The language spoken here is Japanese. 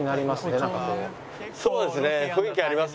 そうですね。